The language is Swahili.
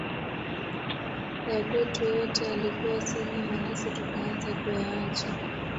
Yakwetu yote yalikuwa si mema nasi tukaanza kuyaacha